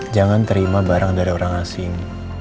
jangan terima barang dari orang asing